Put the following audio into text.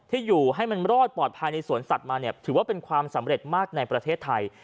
อยู่ให้มันรอดปลอดภัยในสวนสัตว์มาเนี่ยถือว่าเป็นความสำเร็จมากในประเทศไทย